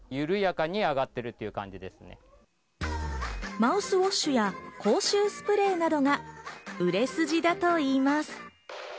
マウスウォッシュや口臭スプレーなどが売れ筋だといいます。